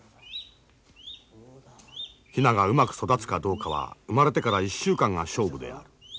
ヒナがうまく育つかどうかは生まれてから１週間が勝負である。